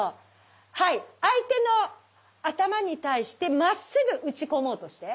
はい相手の頭に対してまっすぐ打ち込もうとして。